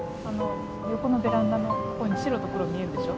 横のベランダのとこに白と黒見えるでしょ？